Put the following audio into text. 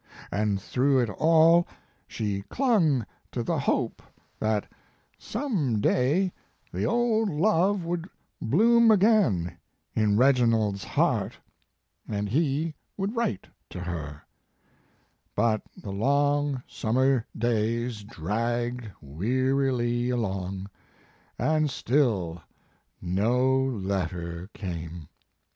And through it all she clung to the hope that some day the old love would bloom again in Reginald s heart, and he would write to her; but the long summer days dragged wearily along, and still no letter came.